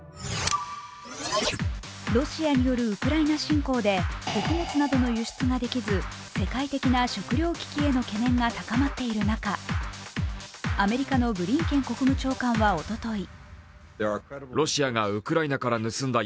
ロシアによるウクライナ侵攻で穀物などの輸出ができず世界的な食糧危機などへの懸念が高まっている中、アメリカのブリンケン国務長官はおととい